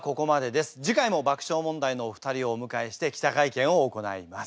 次回も爆笑問題のお二人をお迎えして記者会見を行います。